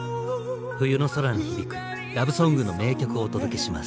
冬の空に響くラブソングの名曲をお届けします。